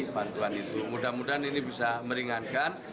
bantuan itu mudah mudahan ini bisa meringankan